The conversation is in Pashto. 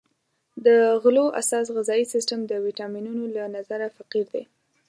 د غلو اساس غذایي سیستم د ویټامینونو له نظره فقیر دی.